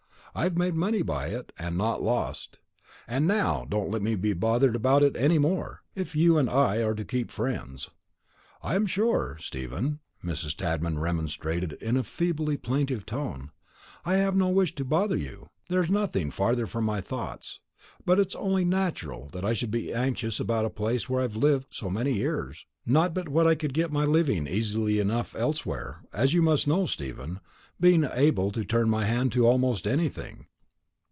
I've made money by it, and not lost. And now, don't let me be bothered about it any more, if you and me are to keep friends." "I'm sure, Stephen," Mrs. Tadman remonstrated in a feebly plaintive tone, "I've no wish to bother you; there's nothing farther from my thoughts; but it's only natural that I should be anxious about a place where I've lived so many years. Not but what I could get my living easy enough elsewhere, as you must know, Stephen, being able to turn my hand to almost anything."